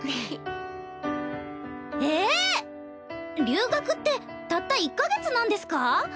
留学ってたった１か月なんですか？